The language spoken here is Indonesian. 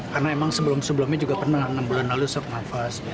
karena emang sebelum sebelumnya juga pernah enam bulan lalu sesak nafas